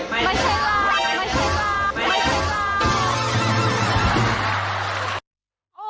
ไม่ใช่เรา